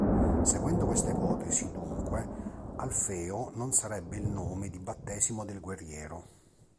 Seguendo questa ipotesi, dunque, "Alfeo" non sarebbe il nome di battesimo del guerriero.